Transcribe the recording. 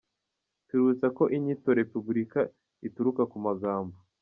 Tuributsa ko inyito repubulika ituruka ku magambo